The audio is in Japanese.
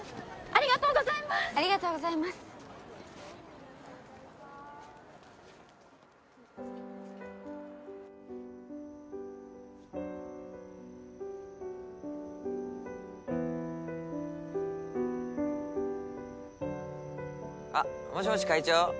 ありがとうございますあっもしもし会長？